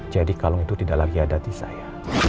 jadi kalung itu tidak lagi ada di saya